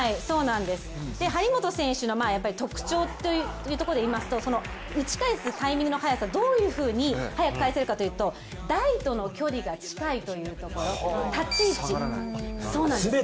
張本選手の特徴というところで言いますと、打ち返すタイミングの早さ、どういうふうに早く返せるかというと台との距離が近いというところ立ち位置。